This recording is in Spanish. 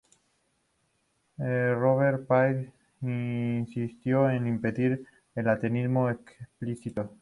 Robespierre insistió en impedir el ateísmo explícito.